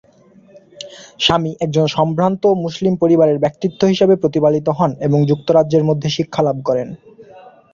সামি একজন সম্ভ্রান্ত মুসলিম পরিবারের ব্যক্তিত্ব হিসাবে প্রতিপালিত হন এবং যুক্তরাজ্যের মধ্যে শিক্ষা লাভ করেন।